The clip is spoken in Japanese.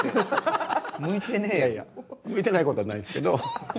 いやいや向いてないことはないですけど。